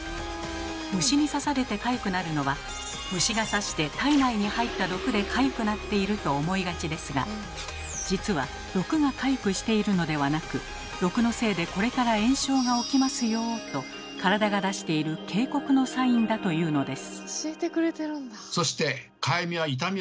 虫に刺されてかゆくなるのは虫が刺して体内に入った毒でかゆくなっていると思いがちですが実は毒がかゆくしているのではなく「毒のせいでこれから炎症が起きますよ」と体が出している警告のサインだというのです。